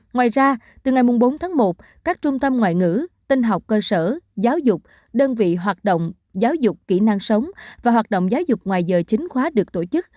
ngoài ra từ ngày bốn tháng một các trung tâm ngoại ngữ tinh học cơ sở giáo dục đơn vị hoạt động giáo dục kỹ năng sống và hoạt động giáo dục ngoài giờ chính khóa được tổ chức